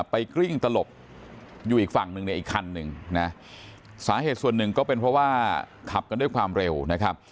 กริ้งตลบอยู่อีกฝั่งหนึ่งเนี่ยอีกคันหนึ่งนะสาเหตุส่วนหนึ่งก็เป็นเพราะว่าขับกันด้วยความเร็วนะครับ